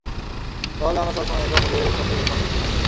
তাহলে আমরা সব সময় একে অপরের সাথে সংযুক্ত থাকবো।